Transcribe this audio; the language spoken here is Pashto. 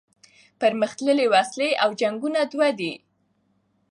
پرمختللي وسلې او جنګونه دوه دي.